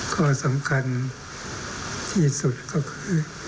ข้อสำคัญที่สุดก็คือ